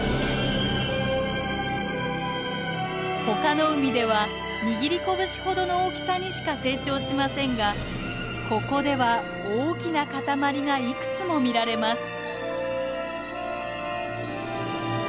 他の海では握り拳ほどの大きさにしか成長しませんがここでは大きな塊がいくつも見られます。